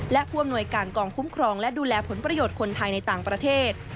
และผู้อำนวยการกองคุ้มครองและดูแลผลประโยชน์คนไทยในต่างประเทศ